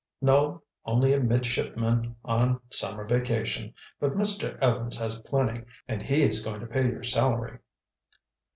"No—only a midshipman on summer vacation. But Mr. Evans has plenty, and he is going to pay your salary."